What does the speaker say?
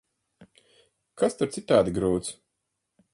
Kas tur citādi grūts?